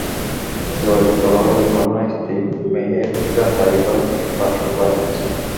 যোগাযোগ করা হলে মান্নার স্ত্রী মেহের নিগার দাবি করেন, তিনি বাসার বাইরে আছেন।